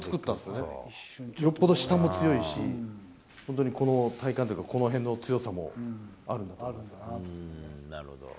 よっぽど下も強いし、本当にこの体幹というか、この辺の強さもああるんだなと。